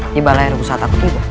dibalah yang rugi saat aku tiba